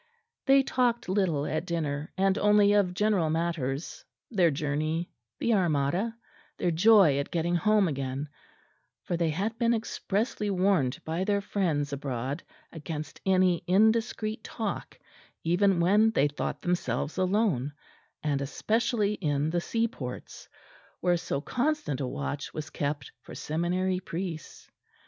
They talked little at dinner; and only of general matters, their journey, the Armada, their joy at getting home again; for they had been expressly warned by their friends abroad against any indiscreet talk even when they thought themselves alone, and especially in the seaports, where so constant a watch was kept for seminary priests.